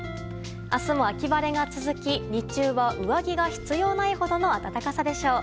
明日も秋晴れが続き日中は上着が必要ないほどの暖かさでしょう。